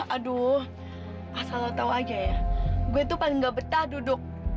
aduh asal lo tau aja ya gue itu paling gak betah duduk